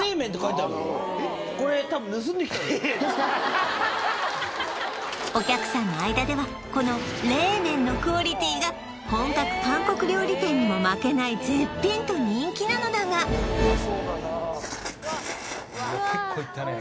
いやいやお客さんの間ではこの冷麺のクオリティーが本格韓国料理店にも負けない絶品と人気なのだがうわっ結構いったね